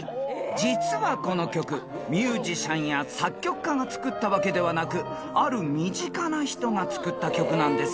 ［実はこの曲ミュージシャンや作曲家が作ったわけではなくある身近な人が作った曲なんです］